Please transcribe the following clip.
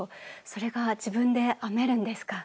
それが自分で編めるんですか？